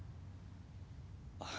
あっ。